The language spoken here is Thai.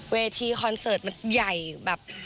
คอนเสิร์ตมันใหญ่แบบ